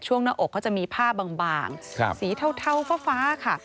หน้าอกเขาจะมีผ้าบางสีเทาฟ้าค่ะ